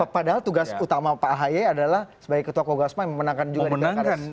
padahal tugas utama pak ahy adalah sebagai ketua kogasma yang memenangkan juga di pilkada